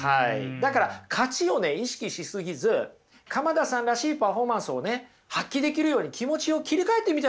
だから勝ちをね意識し過ぎず鎌田さんらしいパフォーマンスをね発揮できるように気持ちを切り替えてみたらどうでしょう？